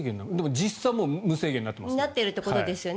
実際は無制限になっていますね。